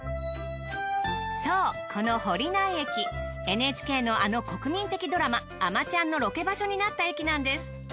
そうこの堀内駅ＮＨＫのあの国民的ドラマ『あまちゃん』のロケ場所になった駅なんです。